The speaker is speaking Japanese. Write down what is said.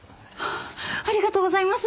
ありがとうございます！